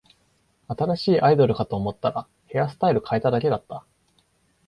新しいアイドルかと思ったら、ヘアスタイル変えただけだった